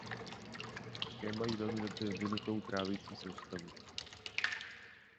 Také mají velmi dobře vyvinutou trávicí soustavu.